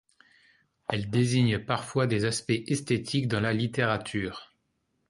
Elle désigne parfois des aspects esthétiques dans la littérature.